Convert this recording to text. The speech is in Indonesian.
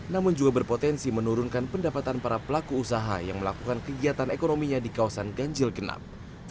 namun juga berpotensi menurunkan pendapatan para pelaku usaha yang melakukan kegiatan ekonominya di kawasan ganjil genap